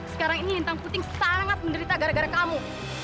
sekarang ini lintang puting sangat menderita gara gara kamu